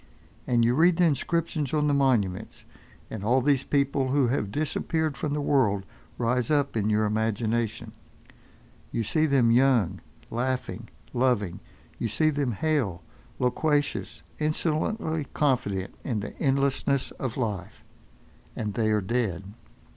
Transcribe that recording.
And you read the inscriptions on the monuments, and all these people who have disappeared from the world rise up in your imagination. You see them young, laughing, loving; you see them hale, loquacious, insolently confident in the endlessness of life. And they are dead.